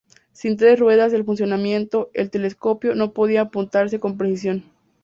Sin tres ruedas en funcionamiento, el telescopio no podía apuntarse con precisión.